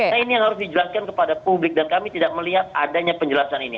nah ini yang harus dijelaskan kepada publik dan kami tidak melihat adanya penjelasan ini